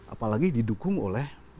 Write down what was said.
apalagi didukung oleh